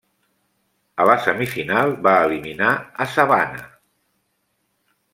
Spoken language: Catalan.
A la semifinal va eliminar a Savannah.